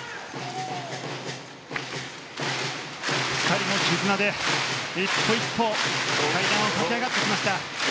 ２人の絆で一歩一歩階段を駆け上がってきました。